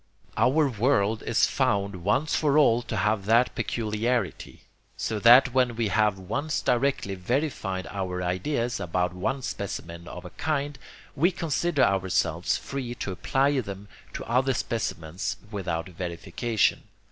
Our world is found once for all to have that peculiarity. So that when we have once directly verified our ideas about one specimen of a kind, we consider ourselves free to apply them to other specimens without verification.